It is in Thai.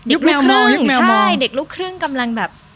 ยุคแมวมองยุคแมวมองใช่เด็กลูกครึ่งกำลังแบบ